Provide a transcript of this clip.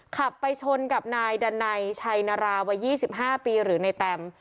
ขับไปชนกับนายดันไนชัยนาราวัย๒๕ปีหรือในแตม